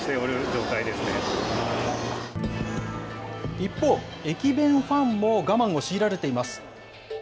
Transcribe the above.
一方、駅弁ファンも我慢を強いられています。